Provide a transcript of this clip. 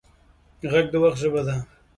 غږ د وخت ژبه ده